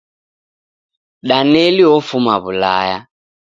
Daneli ofuma W'ulaya